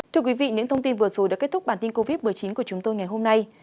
thưa quý vị những thông tin vừa rồi đã kết thúc bản tin covid một mươi chín của chúng tôi ngày hôm nay